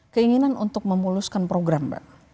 keinginan untuk memuluskan program mbak